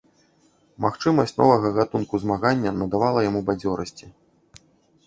Магчымасць новага гатунку змагання надавала яму бадзёрасці.